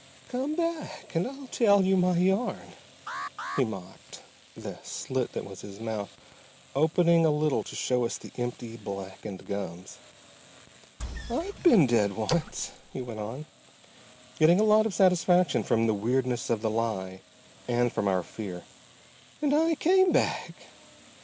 "Come back and I'll tell you my yarn," he mocked, the slit that was his mouth opening a little to show us the empty, blackened gums. "I've been dead once," he went on, getting a lot of satisfaction from the weirdness of the lie and from our fear, "and I came back.